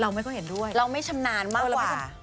เราไม่ค่อยเห็นด้วยเราไม่ชำนาญมากกว่า